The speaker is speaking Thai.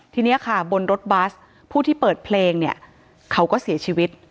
ทีนี้ค่ะบนรถบัสผู้ที่เปิดเพลงเนี่ยเขาก็เสียชีวิต